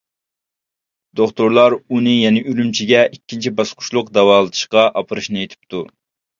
دوختۇرلار ئۇنى يەنە ئۈرۈمچىگە ئىككىنچى باسقۇچلۇق داۋالىتىشقا ئاپىرىشنى ئېيتىپتۇ.